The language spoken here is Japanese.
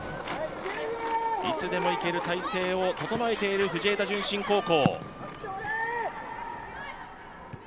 いつでも行ける態勢を整えている藤枝順心高校。